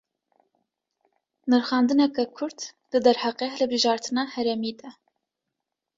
Nirxandineke kurt, di derheqê hilbijartina herêmî de